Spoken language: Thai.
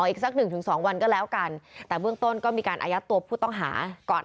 อีกสักหนึ่งถึงสองวันก็แล้วกันแต่เบื้องต้นก็มีการอายัดตัวผู้ต้องหาก่อน